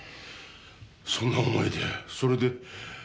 そんな思いでそれで。